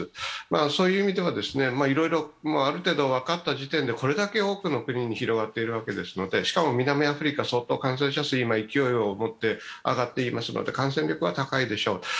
そういう意味では、いろいろある程度分かった時点で、これだけ多くの国に広がっているわけですので、しかも南アフリカ相当感染者数、勢いをもって上がっていますので感染力は高いでしょう。